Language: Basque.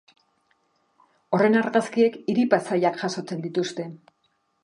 Horren argazkiek hiri-paisaiak jasotzen dituzte.